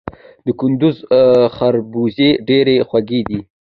د کندز خربوزې ډیرې خوږې دي